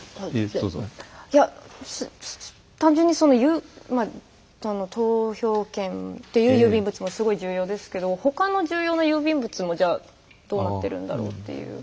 いや単純に投票券という郵便物もすごい重要ですけど他の重要な郵便物もどうなってるんだろうという。